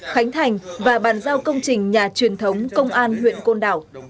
khánh thành và bàn giao công trình nhà truyền thống công an huyện côn đảo